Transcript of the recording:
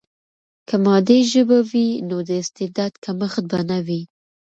که مادي ژبه وي، نو د استعداد کمښت به نه وي.